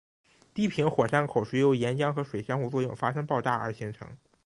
低平火山口是由岩浆和水相互作用发生爆炸而形成。